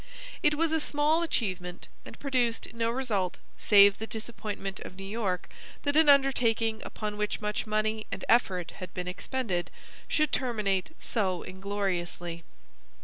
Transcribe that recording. It was a small achievement and produced no result save the disappointment of New York that an undertaking upon which much money and effort had been expended should terminate so ingloriously.